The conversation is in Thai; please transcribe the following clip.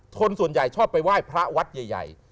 คนส่วนใหญ่ชอบไปไหว้พระวัดใหญ่